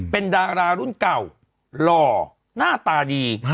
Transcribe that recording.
เป็นดารารุ่นเก่าหล่อหน้าตาดี